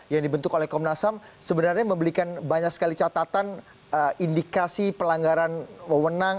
yang dibentuk oleh komnasam sebenarnya memberikan banyak sekali catatan indikasi pelanggaran menang